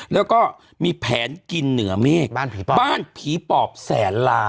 แล้วก็มีแผนกินเหนือเมฆบ้านผีปอบแสนล้าน